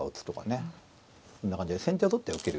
そんな感じで先手を取って受ける。